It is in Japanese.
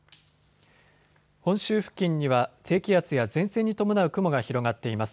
本州付近には低気圧や前線に伴う雲が広がっています。